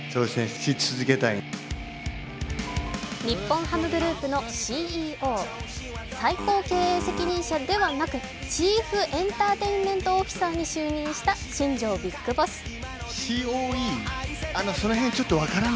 日本ハムグループのＣＥＯ、最高経営責任者ではなくチーフ・エンターテインメント・オフィサーに就任した新庄ビッグボス。